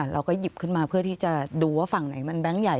เราก็หยิบขึ้นมาเพื่อที่จะดูว่าฝั่งไหนมันแบงค์ใหญ่